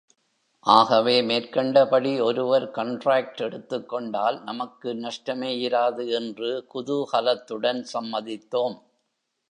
ஆகவே மேற்கண்டபடி ஒருவர் கண்டிராக்ட் எடுத்துக்கொண்டால் நமக்கு நஷ்டமேயிராது என்று குதூஹலத்துடன் சம்மதித் தோம்.